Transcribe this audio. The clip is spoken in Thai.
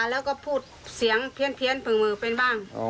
แล้วก็พูดเสียงเพี้ยนผึ่งมือเป็นบ้าง